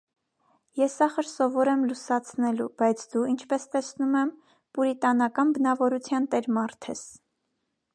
- Ես ախր սովոր եմ լուսացնելու, բայց դու, ինչպես տեսնում եմ, պուրիտանական բնավորության տեր մարդ ես: